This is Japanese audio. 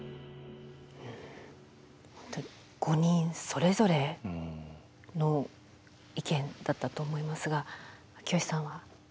５人それぞれの意見だったと思いますが秋吉さんは。